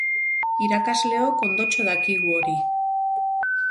Irakasleok ondotxo dakigu hori.